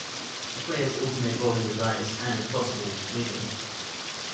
The players alternate rolling the dice and, if possible, moving.